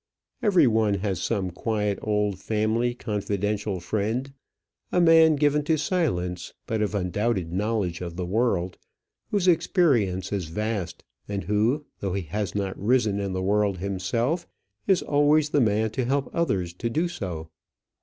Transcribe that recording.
Every one has some quiet, old, family, confidential friend; a man given to silence, but of undoubted knowledge of the world, whose experience is vast, and who, though he has not risen in the world himself, is always the man to help others to do so.